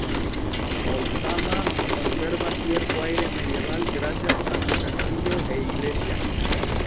Põltsamaa conserva cierto aire medieval gracias a su castillo e iglesia.